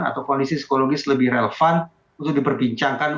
atau kondisi psikologis lebih relevan untuk diperbincangkan